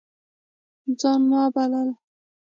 ځان من بلل